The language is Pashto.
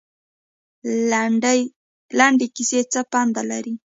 لنډې کیسې څه پند لري؟